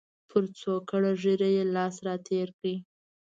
پر څوکړه ږیره یې لاس را تېر کړ.